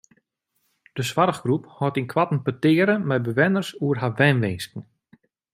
De soarchgroep hâldt ynkoarten petearen mei bewenners oer harren wenwinsken.